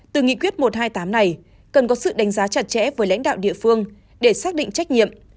từ nghị quyết một trăm hai mươi tám này cần có sự đánh giá chặt chẽ với lãnh đạo địa phương để xác định trách nhiệm